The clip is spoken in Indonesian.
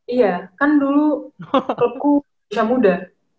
iya kan dulu klubku usia muda